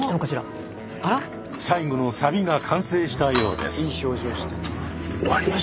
最後のサビが完成したようです。